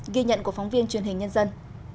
ghi nhận của phóng viên truyền hình nhân dân